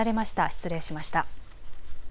失礼しました。